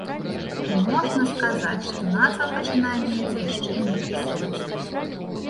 І можна сказаць, што назва пачынае мець яшчэ нейкі сэнс.